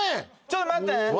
ちょっと待って。